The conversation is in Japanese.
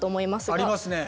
ありますね。